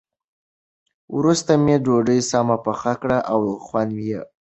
وروسته مې ډوډۍ سمه پخه کړه او خوند یې ښه و.